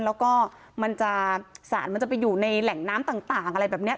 แล้วก็มันจะสารมันจะไปอยู่ในแหล่งน้ำต่างอะไรแบบนี้